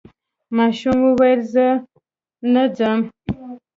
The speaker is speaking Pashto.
ماشوم وویل چې زه نه ځم.